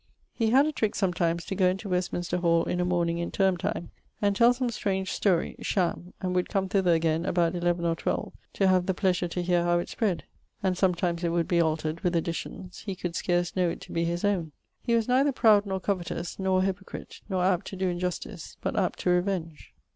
He had a trick sometimes to goe into Westminster hall in a morning in Terme time, and tell some strange story (sham), and would come thither again about 11 or 12 to have the pleasure to heare how it spred; and sometimes it would be altered, with additions, he could scarce knowe it to be his owne. He was neither proud nor covetous, nor a hypocrite: not apt to doe injustice, but apt to revenge.